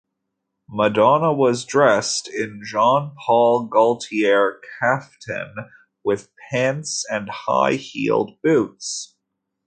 Madonna was dressed in a Jean-Paul Gaultier kaftan with pants and high heeled boots.